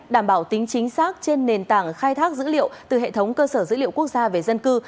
đảm bảo tính chính xác trên nền tảng khai thác dữ liệu từ hệ thống cơ sở dữ liệu quốc gia về dân cư